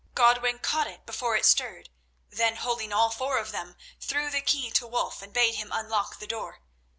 Godwin caught it before it stirred, then, holding all four of them, threw the key to Wulf and bade him unlock the door.